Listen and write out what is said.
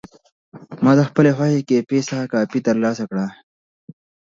ما د خپلې خوښې کیفې څخه کافي ترلاسه کړه.